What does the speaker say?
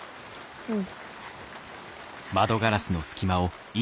うん。